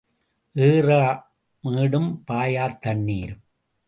ஏறா மேடும் பாயாத் தண்ணீரும்.